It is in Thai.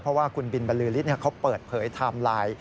เพราะว่าคุณบินบรรลือฤทธิ์เขาเปิดเผยไทม์ไลน์